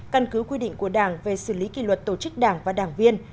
căn cứ quy định của đảng về xử lý kỷ luật tổ chức đảng và đảng viên